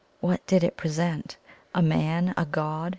What did it represent? A man? a god?